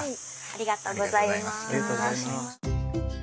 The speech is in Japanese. ありがとうございます。